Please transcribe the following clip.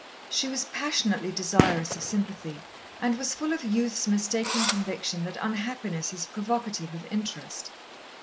She was passionately desirous of sympathy, and was full of youth's mistaken conviction, that unhappiness is provocative of interest.